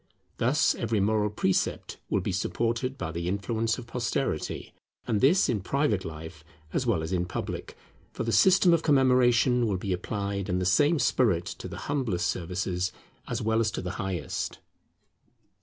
Thus every moral precept will be supported by the influence of posterity; and this in private life as well as in public, for the system of commemoration will be applied in the same spirit to the humblest services as well as to the highest.